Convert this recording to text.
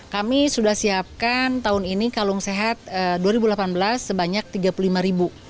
kami sudah siapkan tahun ini kalung sehat dua ribu delapan belas sebanyak tiga puluh lima ribu